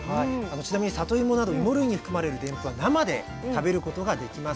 ちなみにさといもなどいも類に含まれるでんぷんは生で食べることができません。